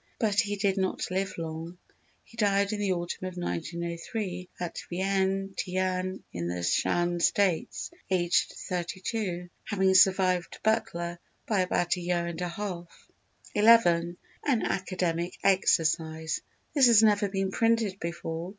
But he did not live long. He died in the autumn of 1903 at Vien Tiane in the Shan States, aged 32, having survived Butler by about a year and a half. xi. An Academic Exercise This has never been printed before.